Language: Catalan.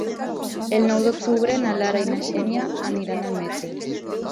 El nou d'octubre na Lara i na Xènia iran al metge.